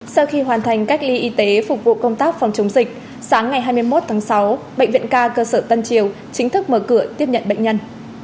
sau khi hoàn thành cách ly y tế phục vụ công tác phòng chống dịch sáng ngày hai mươi một tháng sáu bệnh viện ca cơ sở tân triều chính thức mở cửa tiếp nhận bệnh nhân